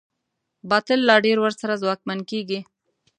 باطل لا ډېر ورسره ځواکمن کېږي.